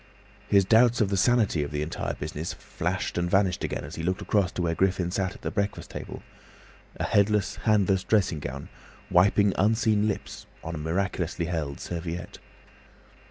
His doubts of the sanity of the entire business flashed and vanished again as he looked across to where Griffin sat at the breakfast table—a headless, handless dressing gown, wiping unseen lips on a miraculously held serviette.